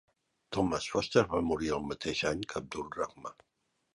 Thomas Foster va morir el mateix any que Abdul-Rahman.